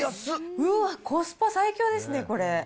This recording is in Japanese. うわっ、コスパ最強ですね、これ。